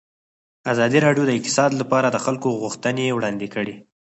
ازادي راډیو د اقتصاد لپاره د خلکو غوښتنې وړاندې کړي.